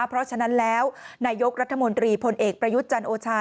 เพราะฉะนั้นแล้วนายกรัฐมนตรีพลเอกประยุทธ์จันทร์โอชา